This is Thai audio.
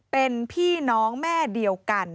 เป็นพี่น้องแม่เดียวกัน